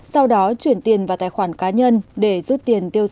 sau đó chuyển tiền vào tài khoản cá nhân để rút tiền